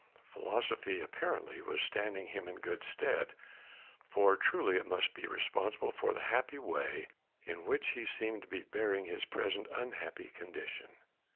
philosophy apparently was standing him in good stead, for truly it must be responsible for the happy way in which he seemed to be bearing his present unhappy condition.